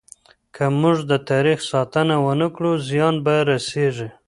که موږ د تاريخ ساتنه ونه کړو، زيان به رسيږي.